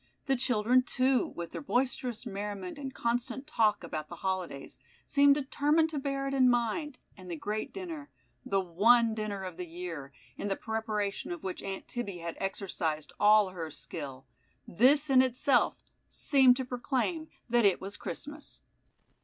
The children, too, with their boisterous merriment and constant talk about the holidays, seemed determined to bear it in mind, and the great dinner the one dinner of the year in the preparation of which Aunt Tibby had exercised all her skill; this, in itself, seemed to proclaim that it was Christmas.